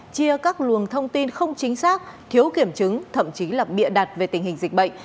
chia các luồng thông tin không chính xác thiếu kiểm chứng thậm chí là bịa đặt về tình hình dịch bệnh